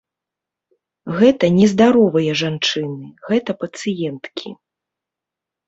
Гэта не здаровыя жанчыны, гэта пацыенткі.